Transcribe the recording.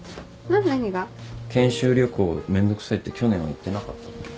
研修旅行めんどくさいって去年は言ってなかったっけ？